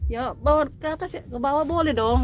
ya bawa ke atas ya ke bawah boleh dong